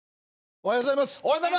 おはようございます。